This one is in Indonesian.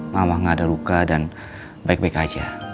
mama gak ada luka dan baik baik aja